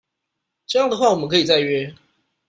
這樣的話我們可以再約